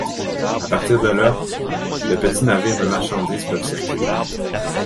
À partir de là, de petits navires de marchandises peuvent circuler.